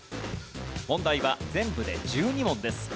問題は全部で１２問です。